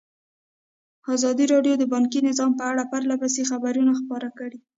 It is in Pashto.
ازادي راډیو د بانکي نظام په اړه پرله پسې خبرونه خپاره کړي.